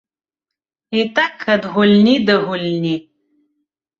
І так ад гульні да гульні.